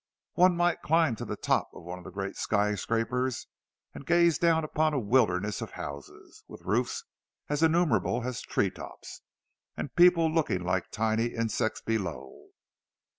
One might climb to the top of one of the great "sky scrapers," and gaze down upon a wilderness of houses, with roofs as innumerable as tree tops, and people looking like tiny insects below.